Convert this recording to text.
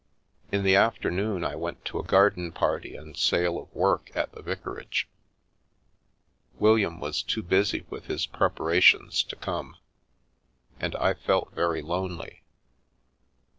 In the afternoon I went to a garden party and sale of work at the vicarage. William was too busy with his preparations to come, and I felt very lonely.